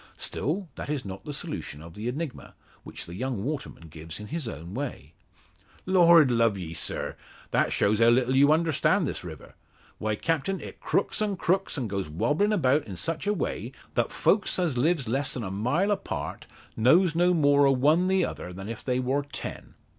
Still, that is not the solution of the enigma, which the young waterman gives in his own way, "Lord love ye, sir! That shows how little you understand this river. Why, captain; it crooks an' crooks, and goes wobblin' about in such a way, that folks as lives less'n a mile apart knows no more o' one the other than if they wor ten.